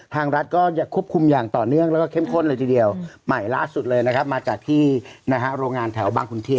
ทางรัฐก็จะควบคุมอย่างต่อเนื่องแล้วก็เข้มข้นเลยทีเดียวใหม่ล่าสุดเลยนะครับมาจากที่นะฮะโรงงานแถวบางขุนเทียน